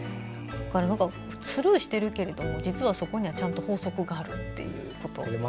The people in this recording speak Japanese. だから、スルーしているけども実は、そこにはちゃんと法則があるってことですね。